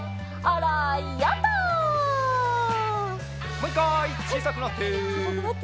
もう１かいちいさくなって。